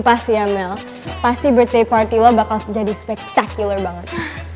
pasti ya mel pasti birthday party lo bakal jadi spectacular banget